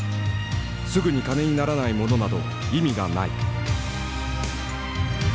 「すぐに金にならないものなど意味がない」。